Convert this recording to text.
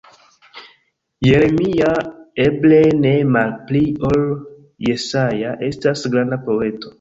Jeremia, eble ne malpli ol Jesaja, estas granda poeto.